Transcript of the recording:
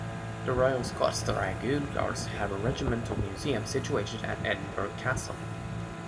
The Royal Scots Dragoon Guards have a regimental museum situated at Edinburgh Castle.